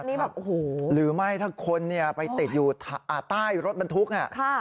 นี่แบบโอ้โหหรือไม่ถ้าคนเนี่ยไปติดอยู่ใต้รถบรรทุก